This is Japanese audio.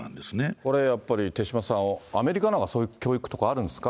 これやっぱり、手嶋さん、アメリカなんか、そういう教育とかあるんですか？